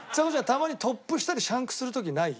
たまにトップしたりシャンクする時ない？